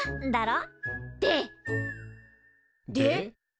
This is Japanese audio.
だろ？で！で？